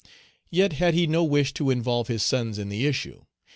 Yet had he no wish to involve his sons in the issue.